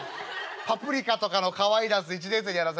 『パプリカ』とかのかわいいダンス１年生にやらせろ」。